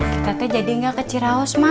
kakek jadi nggak ke ciraus ma